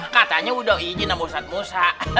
katanya udah izin sama ustadz musa